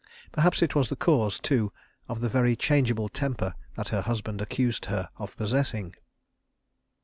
Perhaps it was the cause, too, of the very changeable temper that her husband accused her of possessing.